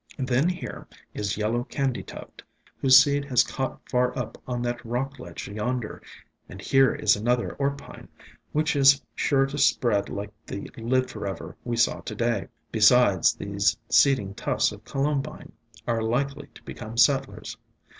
Then here is yellow Candy tuft, whose seed has caught far up on that rock ledge yonder, and here is another Orpine, which is 9O ESCAPED FROM GARDENS sure to spread like the Live forever we saw to day; besides, these seeding tufts of Columbine are likely to become settlers.